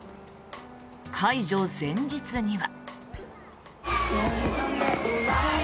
解除前日には。